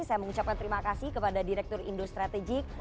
saya mengucapkan terima kasih kepada direktur indostrategic